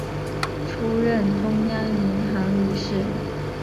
出任中央银行理事。